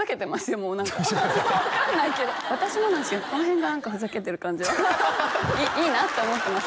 もう何か分かんないけど私もなんですけどこの辺が何かふざけてる感じがいいなって思ってます